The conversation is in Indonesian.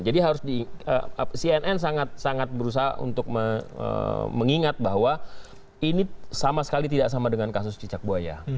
jadi harus diingat cnn sangat berusaha untuk mengingat bahwa ini sama sekali tidak sama dengan kasus cisi